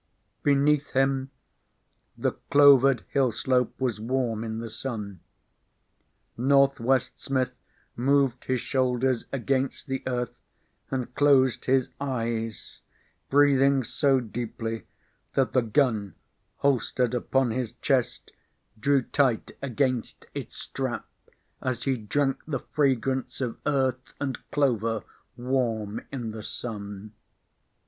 Beneath him the clovered hill slope was warm in the sun. Northwest Smith moved his shoulders against the earth and closed his eyes, breathing so deeply that the gun holstered upon his chest drew tight against its strap as he drank the fragrance of Earth and clover warm in the sun.